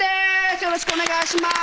よろしくお願いします